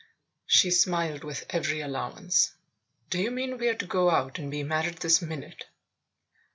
She smiled with every allowance. "Do you mean we're to go out and be married this minute